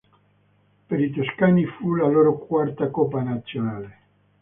Per i toscani fu la loro quarta coppa nazionale.